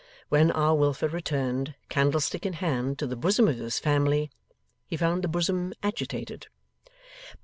When R. Wilfer returned, candlestick in hand, to the bosom of his family, he found the bosom agitated.